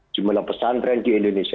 jumlah pesantren di indonesia